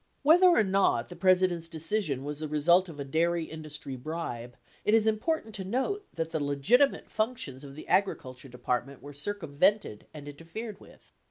'Whether or not the President's decision was the result of a dairy industry bribe, it is important to note that the legitimate functions of the Agriculture Department were circumvented and interfered with.